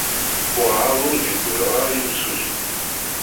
Werɛad ur d-yewwiḍ ara yimsujji.